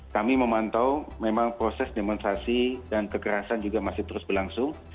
kami memantau memang proses demonstrasi dan kekerasan juga masih terus berlangsung